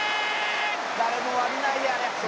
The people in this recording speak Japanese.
「誰も悪ないであれ」